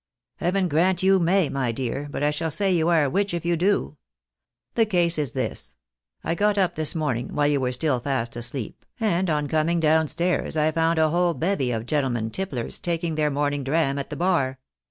" Heaven grant you may, my dear, but I shall say you are a witch if you do. The case is this : I got up this morning, whUe you were still fast asleep, and on coming down stairs I found a whole bevy of gentlemen tipplers taking their morning dram at the bar.